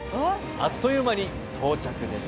あっという間に到着です